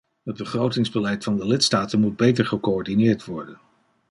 Het begrotingsbeleid van de lidstaten moet beter gecoördineerd worden.